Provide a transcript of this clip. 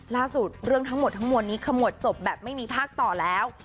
เรื่องทั้งหมดทั้งมวลนี้ขมวดจบแบบไม่มีภาคต่อแล้ว